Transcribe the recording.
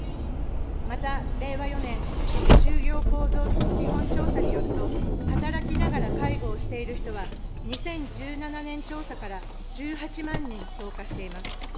また令和４年、就業構造基本調査によると、働きながら介護をしている人は、２０１７年調査から１８万人増加しています。